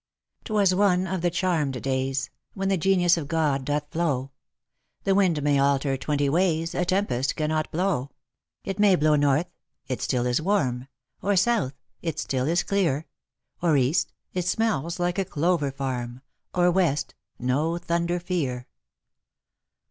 "Twas one of the charmed days When the genius of God doth flow— The wind may alter twenty ways, A tempest cannot blow : It may blow north, it still is warm ; Or south, it still is clear ; Or east, it smells like a clover farm ; Or west, no thunder fear."